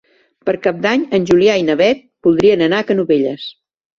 Per Cap d'Any en Julià i na Beth voldrien anar a Canovelles.